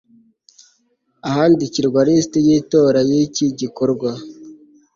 ahandikirwa lisiti y itora y iki gikorwa